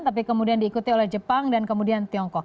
tapi kemudian diikuti oleh jepang dan kemudian tiongkok